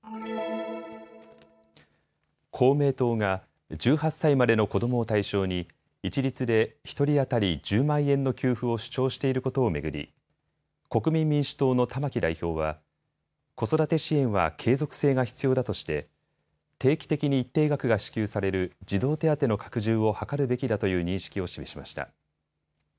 公明党が１８歳までの子どもを対象に一律で１人当たり１０万円の給付を主張していることを巡り国民民主党の玉木代表は子育て支援は継続性が必要だとして定期的に一定額が支給される児童手当の拡充を図るべきだという認識を示しました。